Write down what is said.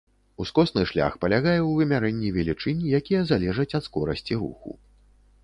Ускосны шлях палягае ў вымярэнні велічынь, якія залежаць ад скорасці руху.